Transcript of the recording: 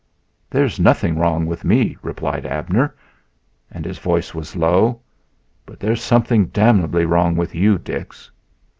"There's nothing wrong with me," replied Abner, and his voice was low. "But there's something damnably wrong with you, Dix."